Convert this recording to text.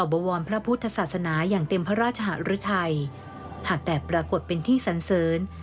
บวรพระพุทธศาสนาอย่างเต็มพระราชหรือไทยหากแต่ปรากฏเป็นที่สันเสริญ